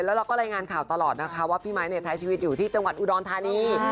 แล้วเราก็รายงานข่าวตลอดนะคะว่าพี่ไมค์ใช้ชีวิตอยู่ที่จังหวัดอุดรธานี